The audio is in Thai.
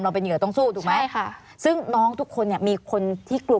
เป็นเหยื่อต้องสู้ถูกไหมใช่ค่ะซึ่งน้องทุกคนเนี่ยมีคนที่กลัว